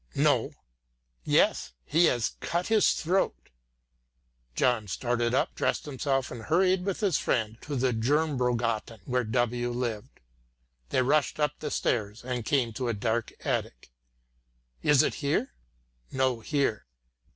"No!" "Yes! he has cut his throat." John started up, dressed himself, and hurried with his friend to the Jernbrogatan where W. lived. They rushed up the stairs and came to a dark attic. "Is it here?" "No, here!"